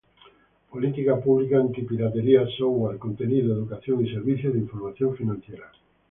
Política Pública, Anti-piratería, Software, Contenido, Educación, y Servicios de Información Financiera.